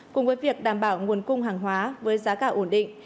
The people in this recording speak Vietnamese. cùng với việc đảm bảo nguồn cung hàng hóa với giá cả ổn định